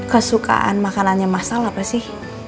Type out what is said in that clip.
kesukaan makanannya masal apa sih